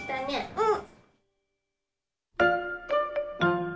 うん。